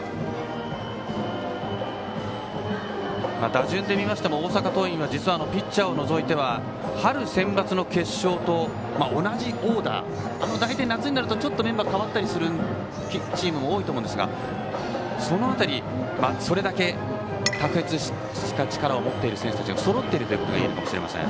打順で見ましても大阪桐蔭はピッチャーを除いては春センバツの決勝と同じオーダー。大体夏になるとちょっとメンバーが変わったりするチームも多いと思いますが、その辺りそれだけ卓越した力を持っている選手がそろっているということがいえるかもしれません。